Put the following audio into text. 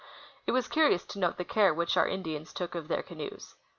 It was curious to note the care which our Indians took of their canoes.